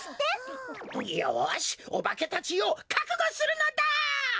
よしおばけたちよかくごするのだ！